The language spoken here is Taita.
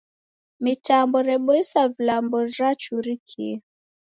Mitambo reboisa vilambo rachurikie.